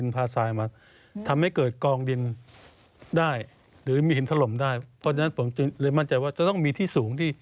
แล้วที่ข้อมูลจากซิลเจอรอยเท้าละ